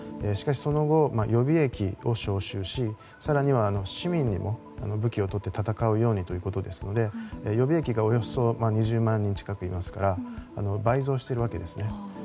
しかしその後、予備役を召集し更には、市民にも武器を取って戦うようにということですので予備役がおよそ２０万人近くいますから倍増しているわけですね。